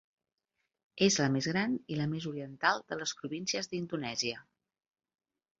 És la més gran i la més oriental de les províncies d'indonèsia.